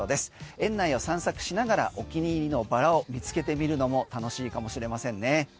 園内を散策しながらお気に入りのバラを見つけてみるのも楽しいかもしれませんね。